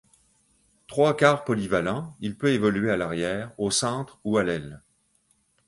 Trois quarts polyvalent, il peut évoluer à l'arrière, au centre ou à l'aile.